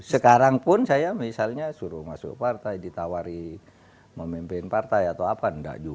sekarang pun saya misalnya suruh masuk partai ditawari memimpin partai atau apa enggak juga